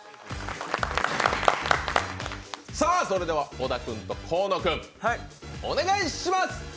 小田君と河野君お願いします。